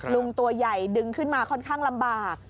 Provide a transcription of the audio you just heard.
ลุงตัวใหญ่ดึงขึ้นมาค่อนข้างลำบาก